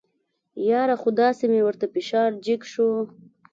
یاره خو داسې مې ورته فشار جګ شو.